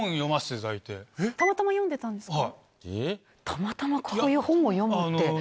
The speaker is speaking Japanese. たまたまこういう本を読むって。